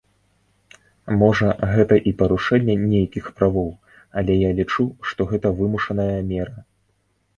Можа, гэта і парушэнне нейкіх правоў, але я лічу, што гэта вымушаная мера.